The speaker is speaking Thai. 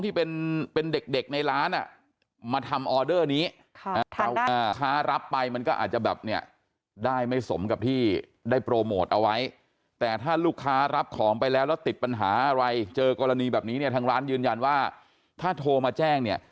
ทางร้านเค้าพร้อมที่